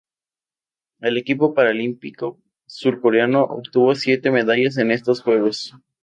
El equipo paralímpico surcoreano obtuvo siete medallas en estos Juegos.